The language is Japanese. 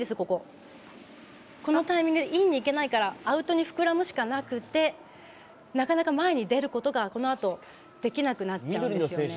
こここのタイミングでインにいけないからアウトに膨らむしかなくてなかなか前に出ることが、このあとできなくなっちゃうんですね。